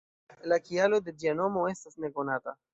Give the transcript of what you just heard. La kialo de ĝia nomo estas nekonata...